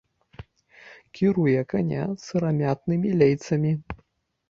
Кіруе каня сырамятнымі лейцамі.